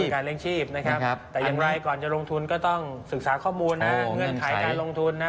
การเลี้ยงชีพนะครับแต่อย่างไรก่อนจะลงทุนก็ต้องศึกษาข้อมูลนะเงื่อนไขการลงทุนนะ